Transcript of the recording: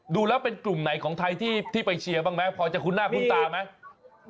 ดูแล้วเป็นกลุ่มไหนของไทยที่ไปเชียร์บ้างไหมพอจะคุ้นหน้าคุ้นตาไหม